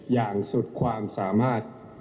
อย่างสุดความสามารถ